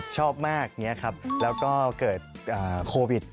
ชอบมากแล้วก็เกิดโควิด